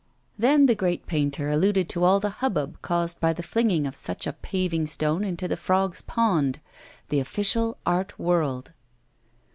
Then the great painter alluded to all the hubbub caused by the flinging of such a paving stone into that frog's pond, the official art world.